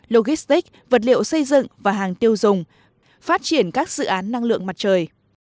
logistic vật liệu xây dựng và hàng tiêu dùng phát triển các dự án năng lượng mặt trời